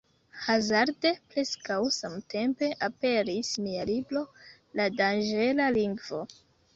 Hazarde, preskaŭ samtempe aperis mia libro La danĝera lingvo.